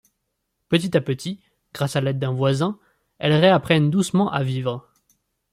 Petit à petit, grâce à l'aide d'un voisin, elles réapprennent doucement à vivre.